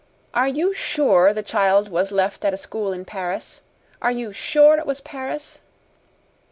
"Are you SURE the child was left at a school in Paris? Are you sure it was Paris?"